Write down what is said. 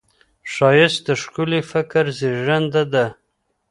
ښایست د ښکلي فکر زېږنده ده